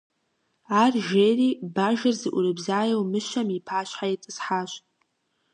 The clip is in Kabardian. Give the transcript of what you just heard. Ар жери бажэр зыӏурыбзаеу мыщэм и пащхьэ итӏысхьащ.